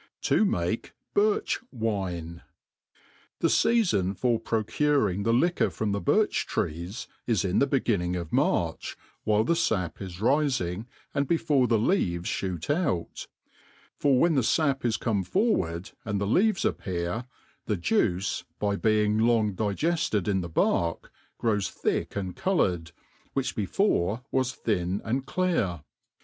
To make Birch lVine. • THE feafon for procuring the liquor from the birch ^rees is in the beginning of March, while the fap ts rifing, and before the leaves fhoot out; for when the fap is come forwarxl, and the leaves appear, the juice, by being long digefted in the back, grows thick and coloured, which before was thin and clear.